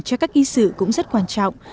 cho các kỵ sử cũng rất quan trọng